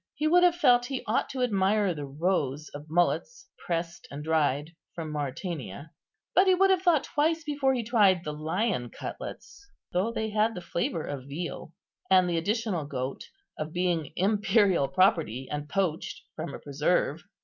He would have felt he ought to admire the roes of mullets, pressed and dried, from Mauritania; but he would have thought twice before he tried the lion cutlets though they had the flavour of veal, and the additional goût of being imperial property, and poached from a preserve.